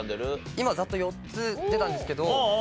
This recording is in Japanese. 今ざっと４つ出たんですけど。